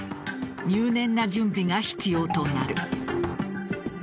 入念な準備が必要となる。